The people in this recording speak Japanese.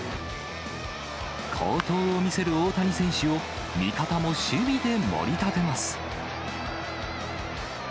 好投を見せる大谷選手を、味方も守備でもり立てます。